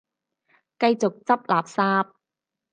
繼續執垃圾